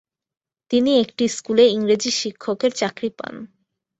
তিনি একটি স্কুলে ইংরেজি শিক্ষকের চাকরি পান।